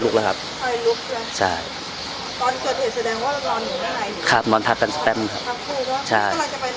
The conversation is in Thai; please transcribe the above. และอันดับสุดท้ายประเทศอเมริกา